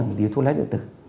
một điếu thuốc lá điện tử